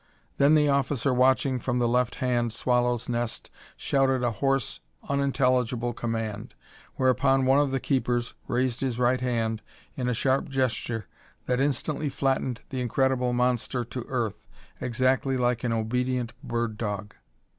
Then the officer watching from the left hand swallow's nest shouted a hoarse, unintelligible command, whereupon one of the keepers raised his right hand in a sharp gesture that instantly flattened the incredible monster to earth, exactly like an obedient bird dog.